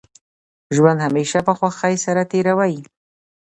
ژوند همېشه په خوښۍ سره تېروئ!